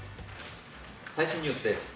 最新ニュースです。